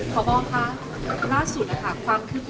พบค่ะล่าสุดค่ะ